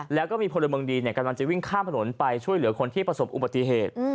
แล้วก็มีพลเมืองดีกำลังจะวิ่งข้ามถนนไปช่วยเหลือคนที่ประสบอุบัติเหตุ